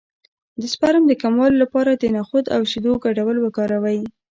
د سپرم د کموالي لپاره د نخود او شیدو ګډول وکاروئ